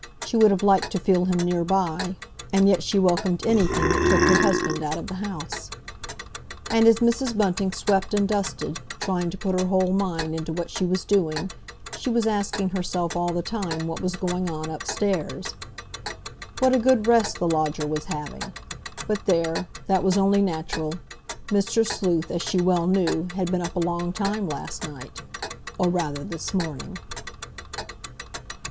She would have liked to feel him near by, and yet she welcomed anything that took her husband out of the house. And as Mrs. Bunting swept and dusted, trying to put her whole mind into what she was doing, she was asking herself all the time what was going on upstairs. What a good rest the lodger was having! But there, that was only natural. Mr. Sleuth, as she well knew, had been up a long time last night, or rather this morning.